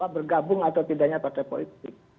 bergabung atau tidaknya partai politik